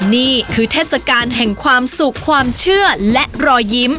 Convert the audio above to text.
นี่คือเทศกาลแห่งความสุขความเชื่อและรอยยิ้ม